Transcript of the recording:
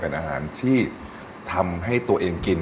เป็นอาหารที่ทำให้ตัวเองกิน